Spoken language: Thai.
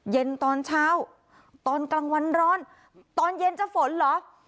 เย็นตอนเช้าตอนกลางวันร้อนตอนเย็นจะฝนเหรอ